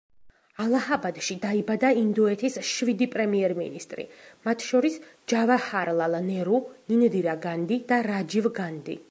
ალაჰაბადში დაიბადა ინდოეთის შვიდი პრემიერ-მინისტრი, მათ შორის ჯავაჰარლალ ნერუ, ინდირა განდი და რაჯივ განდი.